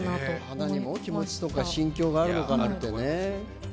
花にも気持ちとか心境があるのかなってね。